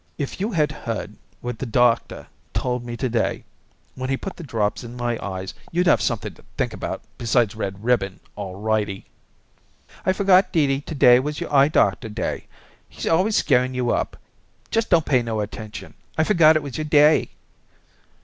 "If you had heard what the doctor told me to day when he put the drops in my eyes you'd have something to think about besides red ribbon, alrighty." "I forgot, Dee Dee, to day was your eye doctor day. He's always scarin' you up. Just don't pay no attention. I forgot it was your day."